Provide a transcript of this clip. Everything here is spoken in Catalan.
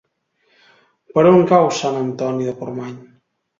Per on cau Sant Antoni de Portmany?